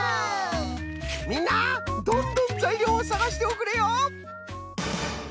みんなどんどんざいりょうをさがしておくれよ！